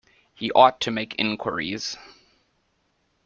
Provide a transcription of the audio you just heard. He ought to make inquiries.